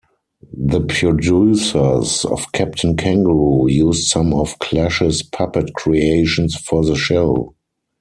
The producers of "Captain Kangaroo" used some of Clash's puppet creations for the show.